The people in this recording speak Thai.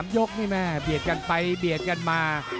ยกนี่แม่เบียดกันไปเบียดกันมา